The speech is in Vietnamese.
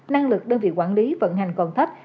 năng lực đơn vị quản lý vận hành còn thấp